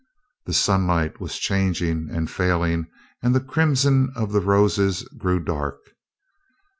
The sunlight was changing and failing and the crimson of the roses grew dark.